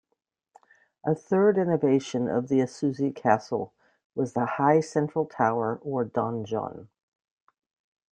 A third innovation of the Azuchi Castle was the high central tower, or "donjon".